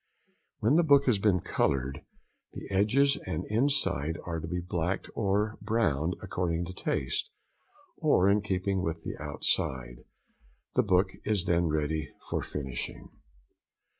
When the book has been coloured, the edges and inside are to be blacked or browned according to taste, or in keeping with the outside. The book is then ready for finishing.